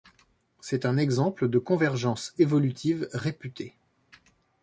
C'est un exemple de convergence évolutive réputé.